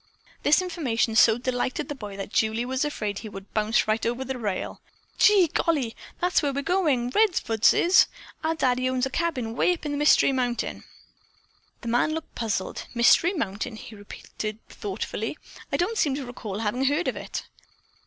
This information so delighted the boy that Julie was afraid he would bounce right over the rail. "Gee golly! That's where we're going Redfords is! Our daddy owns a cabin way up high on Mystery Mountain." The man looked puzzled. "Mystery Mountain," he repeated thoughtfully. "I don't seem to recall having heard of it."